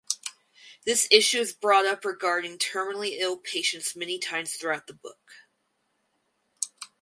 This issue is brought up regarding terminally ill patients many times throughout the book.